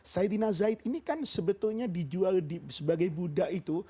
saidina zaid ini kan sebetulnya dijual sebagai buddha itu